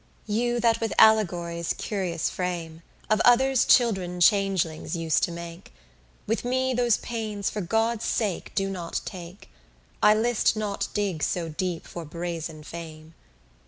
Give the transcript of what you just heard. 28 You that with allegory's curious frame, Of others' children changelings use to make, With me those pains for God's sake do not take: I list not dig so deep for brazen fame.